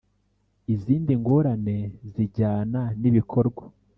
izindi ngorane zijyana n ibikorwa